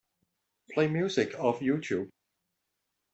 Play music off Youtube.